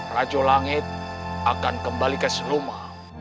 rajulangit akan kembali ke seluma